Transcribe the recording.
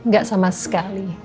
gak sama sekali